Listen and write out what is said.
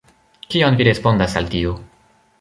Kion vi respondas al tio?